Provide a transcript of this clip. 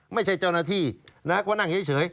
ไม่ใช่เจ้าหน้าที่นะก็นั่งเฉย